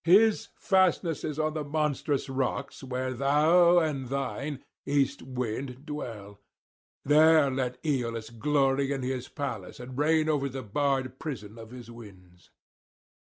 His fastness is on the monstrous rocks where thou and thine, east wind, dwell: there let Aeolus glory in his palace and reign over the barred prison of his winds.'